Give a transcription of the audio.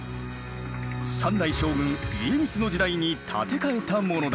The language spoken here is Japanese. ３代将軍家光の時代に建て替えたものだ。